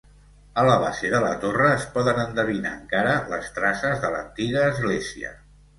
A la base de la torre es poden endevinar encara les traces de l'antiga església.